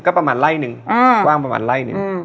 ก็ประมาณไร่หนึ่งอืมกว้างประมาณไร่หนึ่งอืม